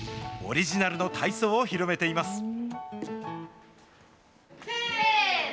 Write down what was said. オリジナルの体操を広めています。